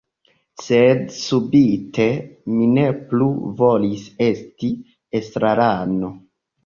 Sed subite… mi ne plu volis esti estrarano.